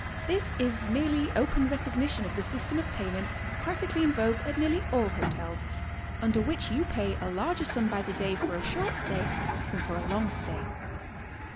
This is merely open recognition of the system of payment practically in vogue at nearly all hotels, under which you pay a larger sum by the day for a short stay than for a long stay.